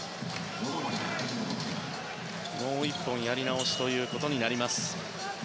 もう１本、やり直しということになります。